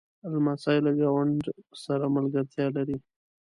لمسی له ګاونډ سره ملګرتیا لري.